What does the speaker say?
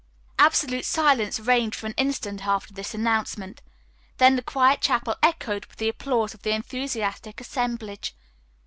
'" Absolute silence reigned for an instant after this announcement, then the quiet chapel echoed with the applause of the enthusiastic assemblage.